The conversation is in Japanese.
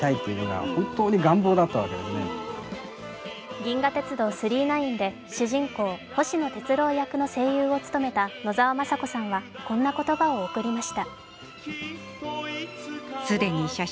「銀河鉄道９９９」で主人公・星野鉄郎役の声優を務めた野沢雅子さんはこんな言葉を送りました。